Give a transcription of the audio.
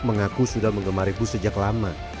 mengaku sudah mengemari bus sejak lama